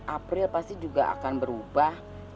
april pasti juga akan berubah